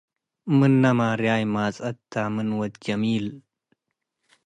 ምነ ማርያይ ማጽአት ተ ምን ወድ ጀሚል ወድ